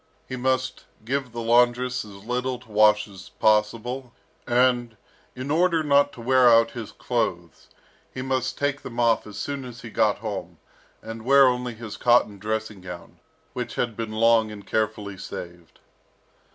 He must give the laundress as little to wash as possible; and, in order not to wear out his clothes, he must take them off as soon as he got home, and wear only his cotton dressing gown, which had been long and carefully saved.